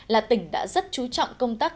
là tỉnh đã rất chú trọng công tác